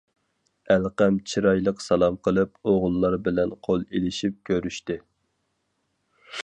ئەلقەم چىرايلىق سالام قىلىپ، ئوغۇللار بىلەن قول ئېلىشىپ كۆرۈشتى.